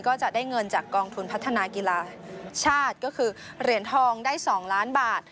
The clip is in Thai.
ก็จะได้เงินจากกองทุนพัฒนากีฬาชาติก็คือเหรียญทองได้๒ล้านบาท